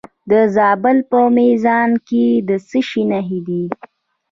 د زابل په میزانه کې د څه شي نښې دي؟